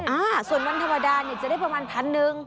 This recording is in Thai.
อ่าส่วนวันธรรมดาเนี่ยจะได้ประมาณพันหนึ่ง